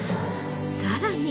さらに。